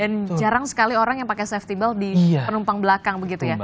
dan jarang sekali orang yang pakai safety belt di penumpang belakang begitu ya